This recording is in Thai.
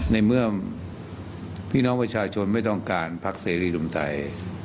ในเมื่อพี่น้องประชาชนไม่ต้องการพักเสรีรวมไทย